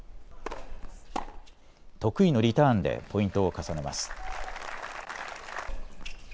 得意のリターンでポイントを重ねます。